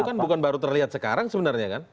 itu kan bukan baru terlihat sekarang sebenarnya kan